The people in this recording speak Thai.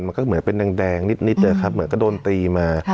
มันก็เหมือนเป็นแดงนิดนะครับเหมือนก็โดนตีมา